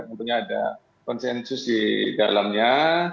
tentunya ada konsensus di dalamnya